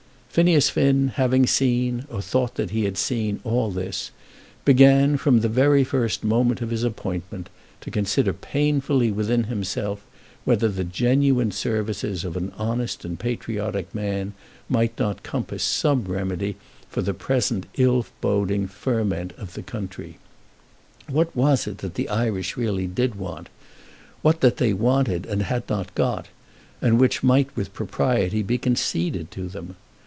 Phineas Finn, having seen, or thought that he had seen, all this, began, from the very first moment of his appointment, to consider painfully within himself whether the genuine services of an honest and patriotic man might not compass some remedy for the present ill boding ferment of the country. What was it that the Irish really did want; what that they wanted, and had not got, and which might with propriety be conceded to them?